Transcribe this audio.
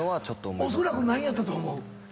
おそらく何やったと思う？